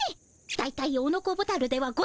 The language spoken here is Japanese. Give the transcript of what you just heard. だいたいオノコボタルではございません。